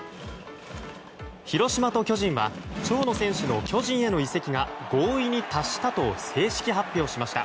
広島と巨人は、長野選手の巨人への移籍が合意に達したと正式発表しました。